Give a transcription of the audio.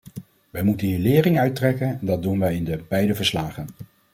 Wij moeten hier lering uit trekken en dat doen wij in de beide verslagen.